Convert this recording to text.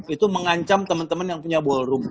itu mengancam teman teman yang punya ballroom